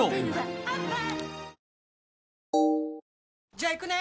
じゃあ行くね！